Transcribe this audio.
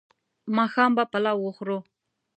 ماښام به پلاو وخورو